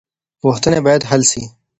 پوښتنې بايد حل سي.